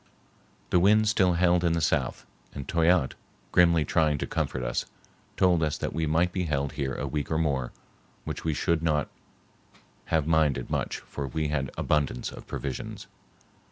The wind still held in the south, and Toyatte, grimly trying to comfort us, told us that we might be held here a week or more, which we should not have minded much, for we had abundance of provisions.